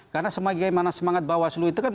karena semangat bawah seluruh itu kan